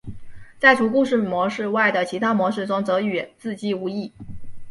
在除故事模式外的其他模式中则与自机无异。